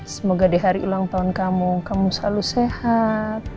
semoga di hari ulang tahun kamu kamu selalu sehat